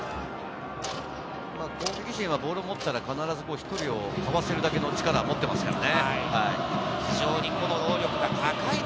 攻撃陣はボールを持ったら必ず、１人をかわせるだけの力を持ってますよね。